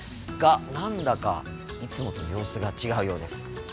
が何だかいつもと様子が違うようです。